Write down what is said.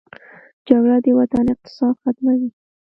جګړه د وطن اقتصاد ختموي